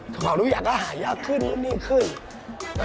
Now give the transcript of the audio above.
ของทุกอย่างก็หายากขึ้นขึ้นนี่ขึ้น